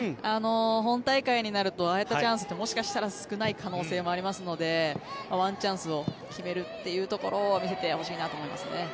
本大会になるとああいったチャンスってもしかしたら少ない可能性もありますのでワンチャンスを決めるというところを見せてほしいなと思いますね。